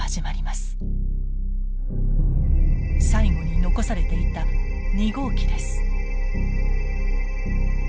最後に残されていた２号機です。